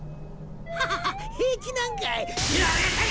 ハハハッ平気なんかい。